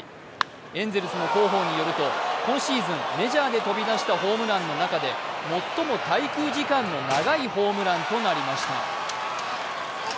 エンゼルスの広報によると今シーズン、メジャーで飛び出したホームランの中で最も滞空時間の長いホームランとなりました。